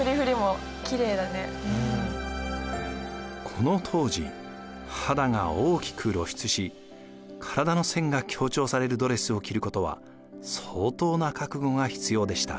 この当時肌が大きく露出し体の線が強調されるドレスを着ることは相当な覚悟が必要でした。